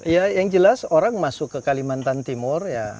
ya yang jelas orang masuk ke kalimantan timur ya